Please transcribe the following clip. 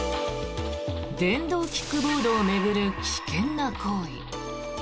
電動キックボードを巡る危険な行為。